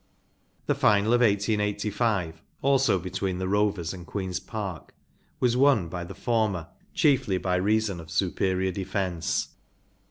The final of 1885, also between the Rovers and Queen’s Park, was won by the former chiefly by reason of superior defence.